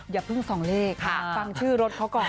อย่าเพิ่งส่องเลขฟังชื่อรถเขาก่อน